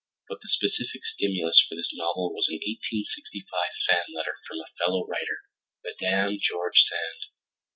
But the specific stimulus for this novel was an 1865 fan letter from a fellow writer, Madame George Sand.